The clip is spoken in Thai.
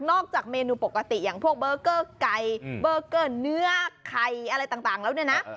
จากเมนูปกติอย่างพวกเบอร์เกอร์ไก่เบอร์เกอร์เนื้อไข่อะไรต่างแล้วเนี่ยนะ